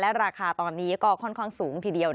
ราคาตอนนี้ก็ค่อนข้างสูงทีเดียว